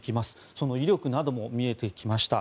その威力なども見えてきました。